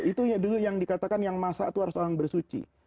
itu dulu yang dikatakan yang masak itu harus orang bersuci